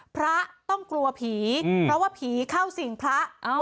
พระต้องกลัวผีเพราะว่าผีเข้าสิ่งพระ